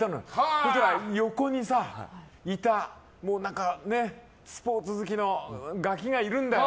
そしたら、横にいたスポーツ好きのガキがいるんだよ。